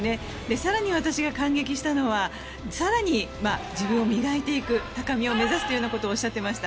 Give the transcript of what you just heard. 更に私が感激したのは更に自分を磨いていく高みを目指すということをおっしゃっていました。